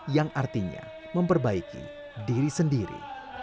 yang artinya memperbaiki diri sendiri